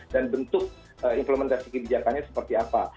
dan bentuk implementasi kebijakannya seperti apa